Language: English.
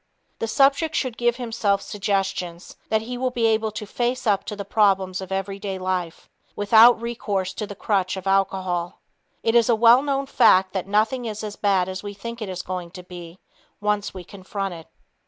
The subject should give himself suggestions that he will be able to "face up" to the problems of every day life without recourse to the crutch of alcohol. It is a well known fact that nothing is as bad as we think it is going to be once we confront it.